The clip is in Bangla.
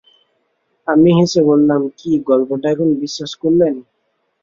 আমি হেসে বললাম, কি, গল্পটা এখন বিশ্বাস করলেন?